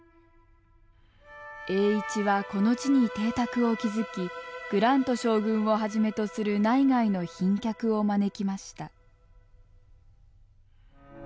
栄一はこの地に邸宅を築きグラント将軍をはじめとする内外の賓客を招きました。